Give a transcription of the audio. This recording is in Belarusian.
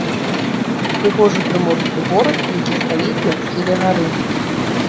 Прыгожы прыморскі горад, які стаіць на схіле гары.